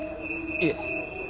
いえ。